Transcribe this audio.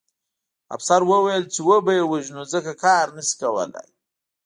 افسر وویل چې وبه یې وژنو ځکه کار نه شي کولی